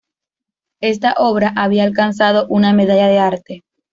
Esta obra había alcanzado una medalla de arte.